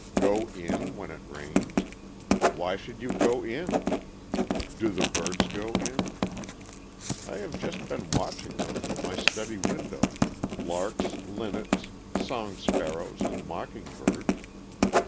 Go in when it rains? Why should you go in? Do the birds go in? I have just been watching them from my study window, larks, linnets, song sparrows, and mocking birds.